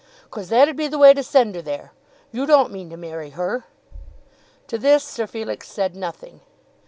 "'Cause that'd be the way to send her there. You don't mean to marry her." To this Sir Felix said nothing.